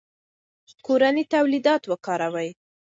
کورني تولیدات وکاروئ.